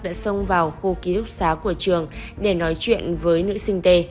đã xông vào khu ký túc xá của trường để nói chuyện với nữ sinh t